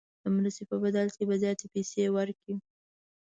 د مرستې په بدل کې به زیاتې پیسې ورکړي.